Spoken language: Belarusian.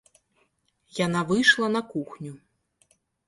Яна выйшла на кухню.